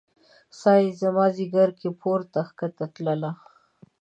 ساه يې زما ځیګر کې پورته کښته تلله